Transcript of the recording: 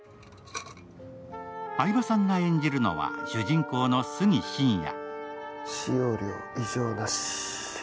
相葉さんが演じるのは、主人公の杉信也。